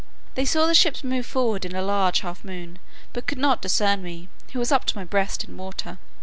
They saw the ships move forward in a large half moon, but could not discern me, who was up to my breast in water.